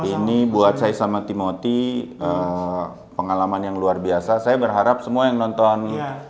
ini buat saya sama timoti pengalaman yang luar biasa saya berharap semua yang nonton